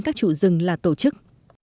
các chủ rừng là tổ chức